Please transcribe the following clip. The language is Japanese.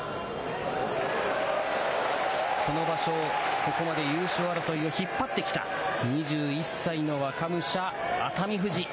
この場所、ここまで優勝争いを引っ張ってきた２１歳の若武者、熱海富士。